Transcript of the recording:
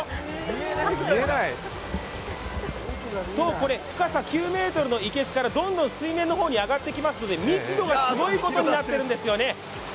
これ深さ９ｍの生けすからどんどん水面の方に上がってきますので密度がすごいことになってるんですよね。